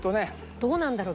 どうなんだろう？